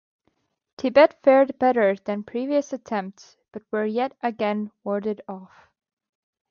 Tibet fared better than previous attempts but were yet again warded off.